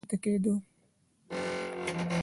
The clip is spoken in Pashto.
هره میاشت به له سمندر څخه یو دېو راپورته کېدی.